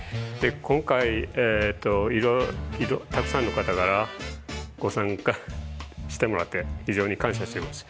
今回いろいろたくさんの方からご参加してもらって非常に感謝しています。